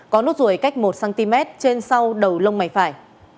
có nốt ruồi cách một cm trên sau đầu lông mày phải